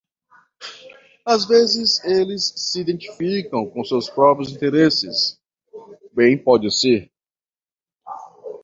Às vezes eles se identificam com seus próprios interesses, bem pode ser.